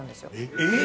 えっ！